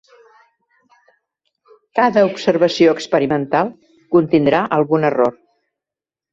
Cada observació experimental contindrà algun error.